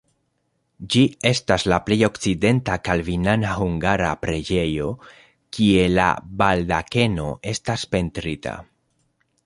Ĝi estas la plej okcidenta kalvinana hungara preĝejo, kie la baldakeno estas pentrita.